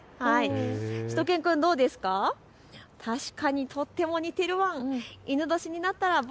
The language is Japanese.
しゅと犬くん、どうですか。